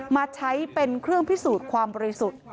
มาใช้เป็นเครื่องพิสูจน์ความบริสุทธิ์